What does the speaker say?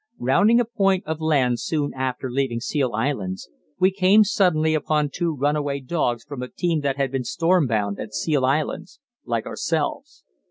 Rounding a point of land soon after leaving Seal Islands, we came suddenly upon two runaway dogs from a team that had been stormbound at Seal Islands like ourselves.